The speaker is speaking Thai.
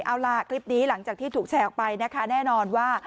เอาล่ะคลิปนี้หลังจากที่ถูกแชร์ออกไปนะคะแน่นอนว่า